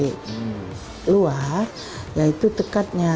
dari luar yaitu tekatnya